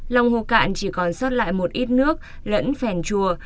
lòng hồ cạn chỉ còn sót lại một ít nước lẫn phèn chùa